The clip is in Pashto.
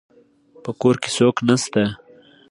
په کور کې څوک نشته